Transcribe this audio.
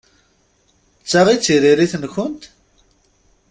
D ta i d tiririt-nkent?